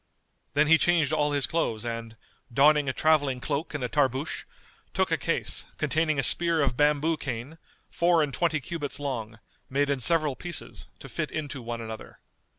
Then he changed all his clothes and, donning a travelling cloak and a tarboosh, took a case, containing a spear of bamboo cane, four and twenty cubits long, made in several pieces, to fit into one another.